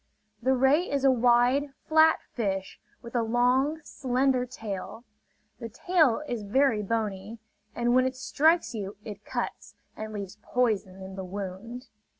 The ray is a wide, flat fish with a long, slender tail. The tail is very bony; and when it strikes you it cuts, and leaves poison in the wound.